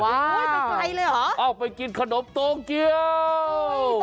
ว้าวไปไกลเลยเหรออ้อไปกินขนมโตเกียว